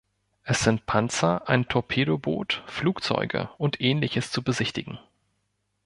Es sind Panzer, ein Torpedoboot, Flugzeuge und Ähnliches zu besichtigen.